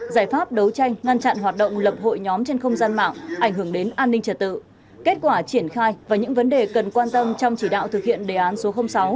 giải pháp đấu tranh ngăn chặn hoạt động lập hội nhóm trên không gian mạng ảnh hưởng đến an ninh trật tự kết quả triển khai và những vấn đề cần quan tâm trong chỉ đạo thực hiện đề án số sáu